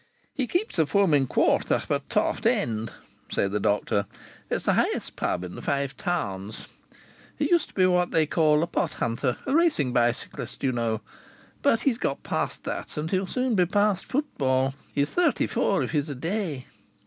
"He keeps the Foaming Quart up at Toft End," said the doctor. "It's the highest pub in the Five Towns. He used to be what they call a pot hunter, a racing bicyclist, you know. But he's got past that and he'll soon be past football. He's thirty four if he's a day.